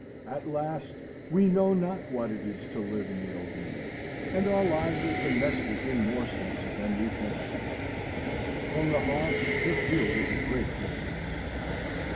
At last, we know not what it is to live in the open air, and our lives are domestic in more senses than we think. From the hearth to the field is a great distance.